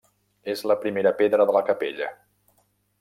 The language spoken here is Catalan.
És la primera pedra de la capella.